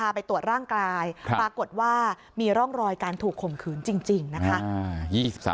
ไปตรวจร่างกายปรากฏว่ามีร่องรอยการถูกข่มขืนจริงนะคะ